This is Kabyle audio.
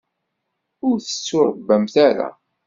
Ur tettuṛebbamt ara.